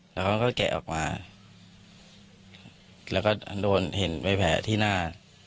แล้วเขาก็แกะออกมาแล้วก็โดนเห็นไปแผลที่หน้า